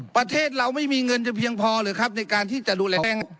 ประเทศเราไม่มีเงินเพียงพอเลยครับในการที่จะดูแลแหล่ง